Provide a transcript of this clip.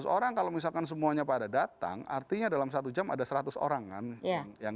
lima ratus orang kalau misalkan semuanya pada datang artinya dalam satu jam ada seratus orang kan